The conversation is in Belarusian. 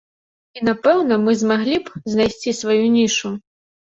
І, напэўна, мы змаглі б знайсці сваю нішу.